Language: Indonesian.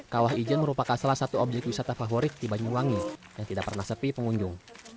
kawah ijen merupakan salah satu objek wisata favorit di banyuwangi yang tidak pernah sepi pengunjung